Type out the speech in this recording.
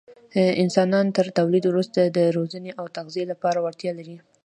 انسانان تر تولد وروسته د روزنې او تغذیې لپاره وړتیا لري.